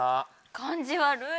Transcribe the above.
感じ悪い。